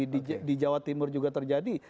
tadi terjadi di jawa timur juga terjadi